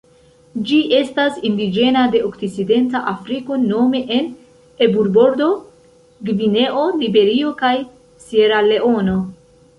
Ĝi estas indiĝena de Okcidenta Afriko nome en Eburbordo, Gvineo, Liberio kaj Sieraleono.